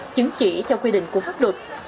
chứng chỉ theo quy định của pháp luật